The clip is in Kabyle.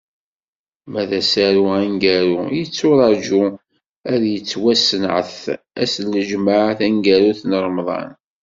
Ma d asaru aneggaru, yetturaǧu ad d-yettwasenɛet ass n lǧemɛa taneggarut n Remḍan.